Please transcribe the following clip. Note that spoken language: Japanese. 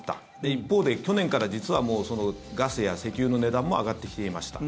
一方で、去年から実はもうガスや石油の値段も上がってきていました。